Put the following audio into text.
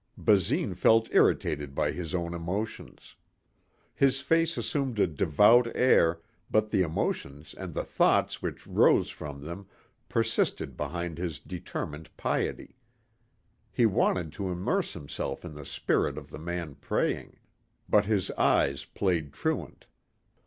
Basine felt irritated by his own emotions. His face assumed a devout air but the emotions and the thoughts which rose from them persisted behind his determined piety. He wanted to immerse himself in the spirit of the man praying. But his eyes played truant.